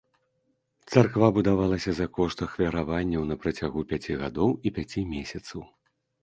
Царква будавалася за кошт ахвяраванняў на працягу пяці гадоў і пяці месяцаў.